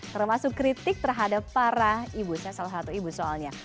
termasuk kritik terhadap para ibu saya salah satu ibu soalnya